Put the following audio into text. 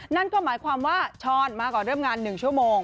นั่นก็หมายความว่าช้อนมาก่อนเริ่มงาน๑ชั่วโมง